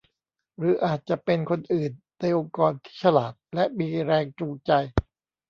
หรืออาจจะเป็นคนอื่นในองค์กรที่ฉลาดและมีแรงจูงใจ